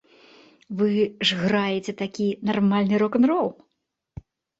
Вы ж граеце такі нармальны рок-н-рол.